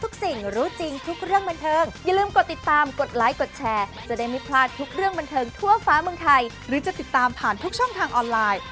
คุณผู้ชมน่ารักมากเลย